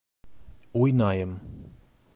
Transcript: Уйнайым...